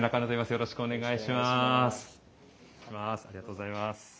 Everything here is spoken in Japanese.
よろしくお願いします。